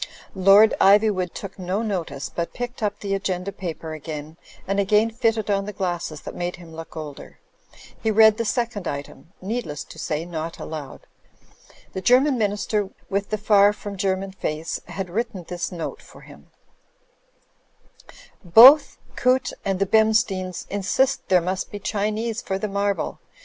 Lord Ivjrwood took no notice, but picked up the agenda paper again, and again fitted on the glasses that made him look older. He read the second item — needless to say, not aloud. The German Minister with the far from German face, had written this note for him: "Both Coote and the Bemsteins insist there must be Chinese for the marble.